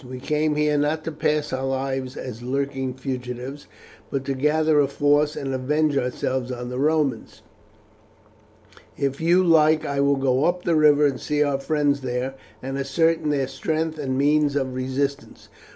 We came here not to pass our lives as lurking fugitives, but to gather a force and avenge ourselves on the Romans. If you like I will go up the river and see our friends there, and ascertain their strength and means of resistance.